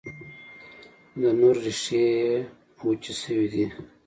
د نور، ریښې یې وچي شوي دي